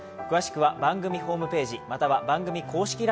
詳しくは番組ホームページまたは番組公式